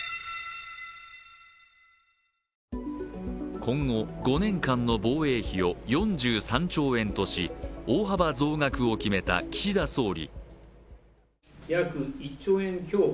今後５年間の防衛費を４３兆円とし、大幅増額を決めた岸田総理。